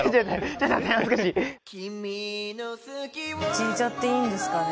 聞いちゃっていいんですかね？